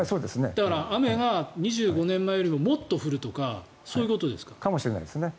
だから雨が２５年前よりももっと降るとかかもしれないですね。